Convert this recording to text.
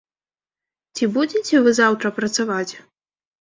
Ці будзеце вы заўтра працаваць?